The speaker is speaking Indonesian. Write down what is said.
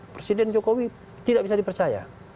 presiden jokowi tidak bisa dipercaya